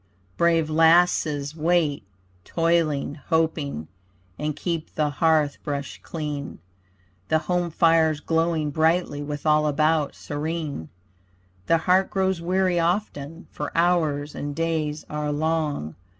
Brave lassies wait, toiling, hoping, And keep the hearth brushed clean, The home fires glowing brightly With all about serene. The heart grows weary often, For hours and days are long.